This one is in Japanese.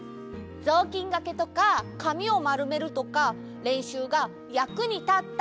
ぞうきんがけとかかみをまるめるとかれんしゅうがやくにたったってことかな！